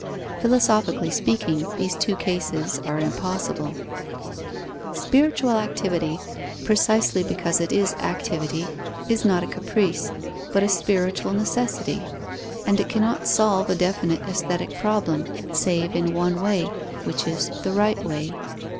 Philosophically speaking, these two cases are impossible. Spiritual activity, precisely because it is activity, is not a caprice, but a spiritual necessity; and it cannot solve a definite aesthetic problem, save in one way, which is the right way.